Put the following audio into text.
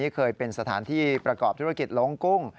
เคยเป็นสถานที่ประกอบธุรกิจลงกุ้ง